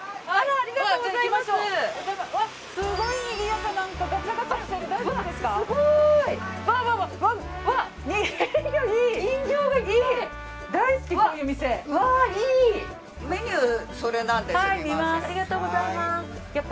ありがとうございます。